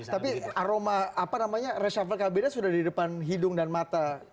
tapi aroma apa namanya reshuffle kabinet sudah di depan hidung dan mata